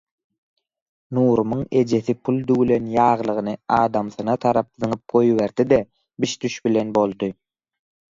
Nurumyň ejesi pul düwülen ýaglygyny adamsyna tarap zyňyp goýberdi-de biş-düş bilen boldy.